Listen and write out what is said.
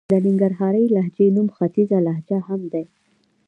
د ننګرهارۍ لهجې نوم ختيځه لهجه هم دئ.